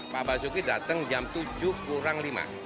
pak basuki datang jam tujuh kurang lima